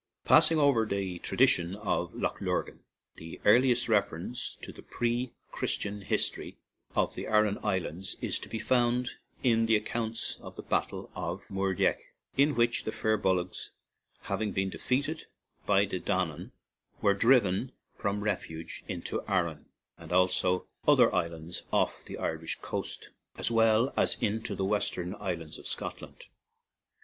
Passing over the tradition of Lough Lurgan, the earliest reference to the pre Christian history of the Aran Islands is 112 ARAN ISLANDS to be found in the accounts of the battle of Muireadh, in which the Firbolgs, hav ing been defeated by the Danann, were driven for refuge into Aran and other islands on the Irish coast, as well as into the western islands of Scotland.